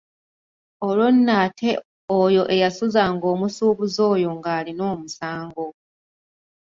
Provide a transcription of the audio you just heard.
Olwo nno ate oyo eyasuzanga omusuubuzi oyo ng’alina omusango.